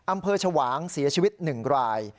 อำเภอฉวางเสียชีวิต๑ราย